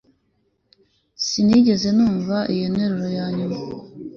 Sinigeze numva iyo nteruro yanyuma